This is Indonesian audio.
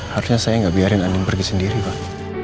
harusnya saya gak biarin andin pergi sendiri pak